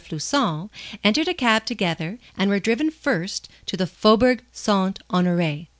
Floçon, entered a cab together and were driven first to the Faubourg St. Honoré.